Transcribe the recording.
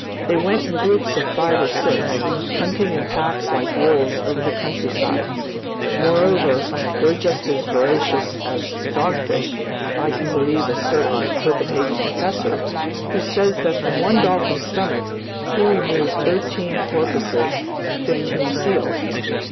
They went in groups of five or six, hunting in packs like wolves over the countryside; moreover, they're just as voracious as dogfish, if I can believe a certain Copenhagen professor who says that from one dolphin's stomach, he removed thirteen porpoises and fifteen seals.